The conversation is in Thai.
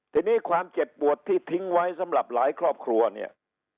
ทีนี้ความเจ็บปวดที่ทิ้งไว้สำหรับหลายครอบครัวเนี่ย